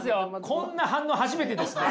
こんな反応初めてですね！